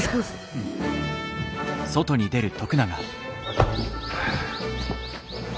うん。はあ。